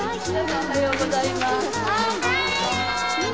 おはようございます。